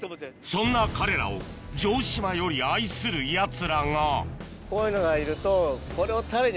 そんな彼らを城島より愛するやつらがこういうのがいると。